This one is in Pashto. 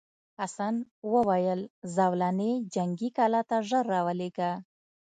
حسن وویل زولنې جنګي کلا ته ژر راولېږه.